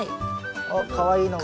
あっかわいいのが。